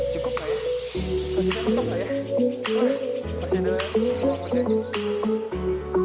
cukup nggak ya masih ada bangunan yang justru